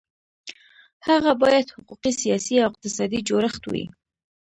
هغه باید حقوقي، سیاسي او اقتصادي جوړښت وي.